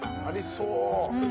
ありそう。